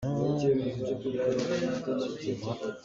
Sakhi neh an um tiah ka theih.